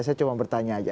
saya cuma bertanya aja